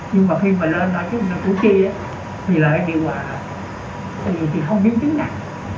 nhưng mà khi mà lên ở chức năng của chi thì lại điều hòa là không biết chứng nặng